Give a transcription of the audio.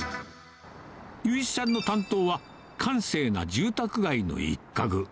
雄一さんの担当は、閑静な住宅街の一角。